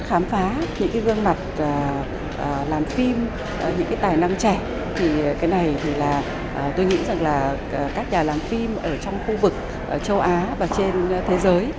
khám phá những cái gương mặt làm phim những cái tài năng trẻ thì cái này thì là tôi nghĩ rằng là các nhà làm phim ở trong khu vực châu á và trên thế giới